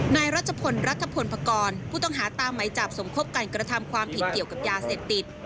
นายรัชพลรัฐพลพกรผู้ต้องหาตามไหมจับสมคบกันกระทำความผิดเกี่ยวกับยาเสพติด